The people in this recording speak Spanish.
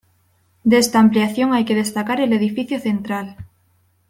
De esta ampliación hay que destacar el edificio central.